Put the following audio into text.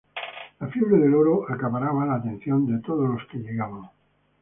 La fiebre del oro acaparaba la atención de todos los que llegaban.